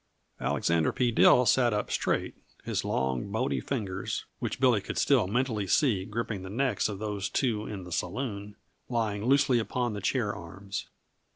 Alexander P. Dill sat up straight, his long, bony fingers which Billy could still mentally see gripping the necks of those two in the saloon lying loosely upon the chair arms.